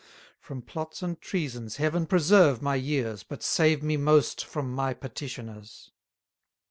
From plots and treasons Heaven preserve my years, But save me most from my petitioners!